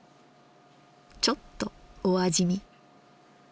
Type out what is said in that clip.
ちょっとお味見。